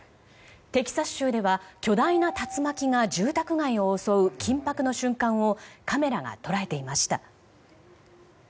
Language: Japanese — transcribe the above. テキサス州では巨大な竜巻が住宅街を襲う緊迫の瞬間をカメラが捉えていました。